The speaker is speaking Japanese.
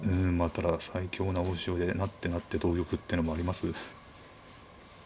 ただ最強な王将へ成って成って同玉ってのもあります？